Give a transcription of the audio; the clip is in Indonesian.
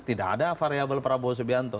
tidak ada variabel prabowo subianto